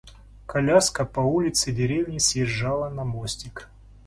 Коляска по улице деревни съезжала на мостик.